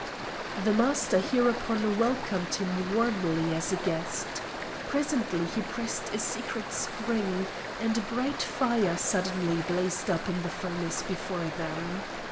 The Master hereupon welcomed him warmly as a guest. Presently he pressed a secret spring, and a bright fire suddenly blazed up in the furnace before them.